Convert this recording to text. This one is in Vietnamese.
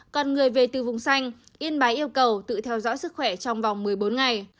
còn người về từ vùng xanh yên bái yêu cầu tự theo dõi sức khỏe trong vòng một mươi bốn ngày